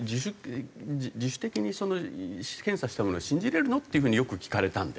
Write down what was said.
自主的に検査したものは信じられるの？っていう風によく聞かれたんで。